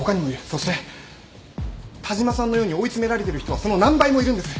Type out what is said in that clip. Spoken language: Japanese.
そして田嶋さんのように追い詰められてる人はその何倍もいるんです。